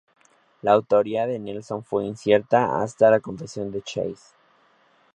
La autoría de Nelson fue incierta hasta la confesión de Chase.